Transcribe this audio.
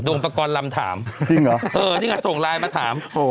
โดมประกอลลำถามจริงเหรอเออนี่เหรอส่งไลน์มาถามโห